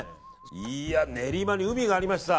いや、練馬に海がありました。